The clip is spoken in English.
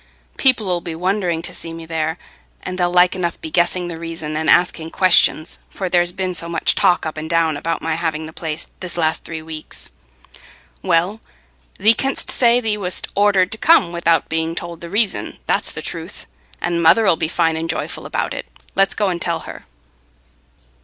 People 'ull be wondering to see me there, and they'll like enough be guessing the reason and asking questions, for there's been so much talk up and down about my having the place, this last three weeks." "Well, thee canst say thee wast ordered to come without being told the reason. That's the truth. And mother 'ull be fine and joyful about it. Let's go and tell her."